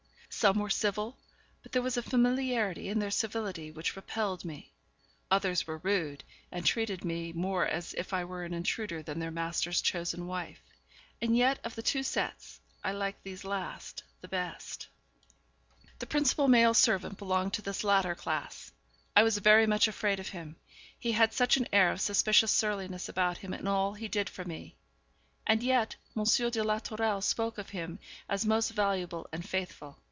Some were civil, but there was a familiarity in their civility which repelled me; others were rude, and treated me more as if I were an intruder than their master's chosen wife; and yet of the two sets I liked these last the best. The principal male servant belonged to this latter class. I was very much afraid of him, he had such an air of suspicious surliness about him in all he did for me; and yet M. de la Tourelle spoke of him as most valuable and faithful.